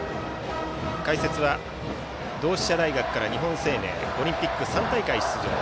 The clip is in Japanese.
解説は同志社大学から日本生命オリンピック３大会出場。